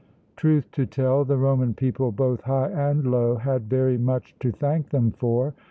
Truth to tell the Roman people both high and low had very much to thank them for.